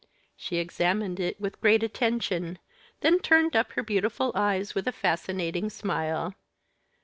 She examined it with great attention, then turned up her beautiful eyes with a fascinating smile.